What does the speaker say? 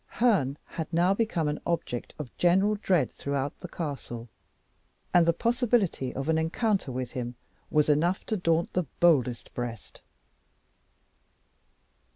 Herne had now become an object of general dread throughout the castle; and the possibility of an encounter with him was enough to daunt the boldest breast.